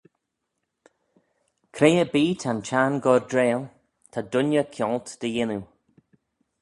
Cre erbee ta'n Chiarn gordrail, ta dooinney kianlt dy yannoo.